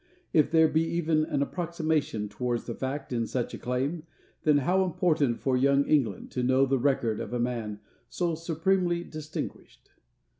If there be even an approximation towards fact in such a claim, then how important for young England to know the record of a man so supremely distinguished.